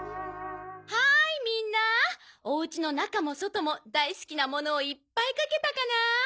はーいみんなおうちの中も外も大好きなものをいっぱい描けたかな？